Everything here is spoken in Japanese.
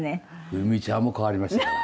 冬美ちゃんも変わりましたから。